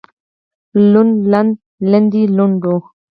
لوند لنده لندې لندو